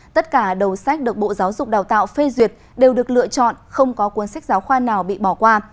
tất cả đầu sách được bộ giáo dục đào tạo phê duyệt đều được lựa chọn không có cuốn sách giáo khoa nào bị bỏ qua